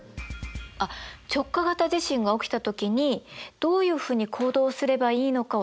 あっ直下型地震が起きた時にどういうふうに行動すればいいのかを体験できる施設があるんだよ。